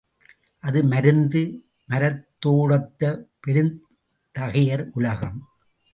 அது மருந்து மரத்தோடொத்த பெருந்தகையார் உலகம்.